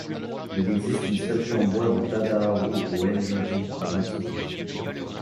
Il existe une statue en bois de Tadaharu au Enjō-ji à Matsue.